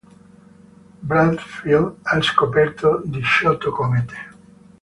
Bradfield ha scoperto diciotto comete.